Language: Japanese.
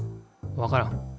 わからん。